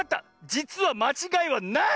じつはまちがいはない！